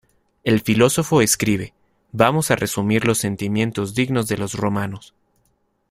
El filósofo escribe: "Vamos a resumir los sentimientos dignos de los romanos.